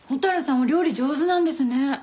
お料理上手なんですね。